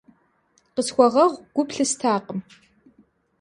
Къысхуэгъэгъу, гу плъыстакъым.